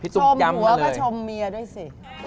ชมหัวก็ชมเมียด้วยสิ